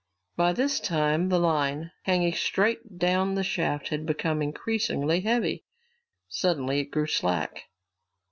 By this time the line, hanging straight down the shaft, had become increasingly heavy. Suddenly it grew slack.